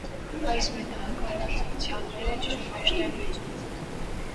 Այս մետաղական ածանցյալները ջրում հեշտ են լուծվում։